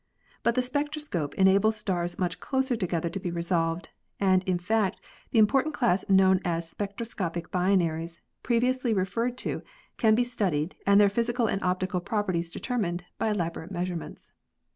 But the spectroscope enables stars much closer together to be resolved, and in fact the impor tant class known as spectroscopic binaries previously re ferred to can be studied and their physical and optical prop erties determined by elaborate measurements.